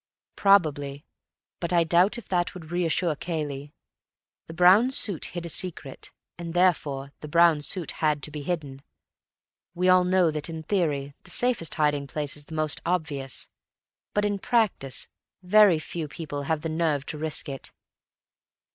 "Probably. But I doubt if that would reassure Cayley. The brown suit hid a secret, and therefore the brown suit had to be hidden. We all know that in theory the safest hiding place is the most obvious, but in practice very few people have the nerve to risk it."